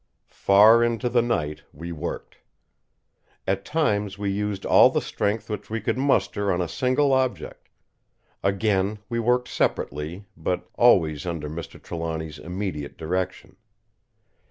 Far into the night we worked. At times we used all the strength which we could muster on a single object; again we worked separately, but always under Mr. Trelawny's immediate direction.